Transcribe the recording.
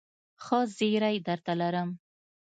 ښه زېری درته لرم ..